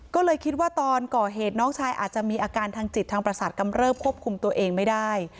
ก็เลยคิดว่าตอนก่อเหตุน้องชายอาจจะมีอาการทางจิตทางประสาทกำเริบควบคุมตัวเองไม่ได้